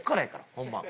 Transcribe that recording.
ホンマ。